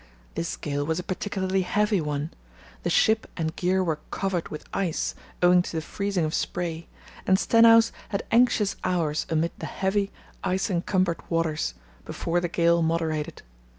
This gale was a particularly heavy one. The ship and gear were covered with ice, owing to the freezing of spray, and Stenhouse had anxious hours amid the heavy, ice encumbered waters before the gale moderated.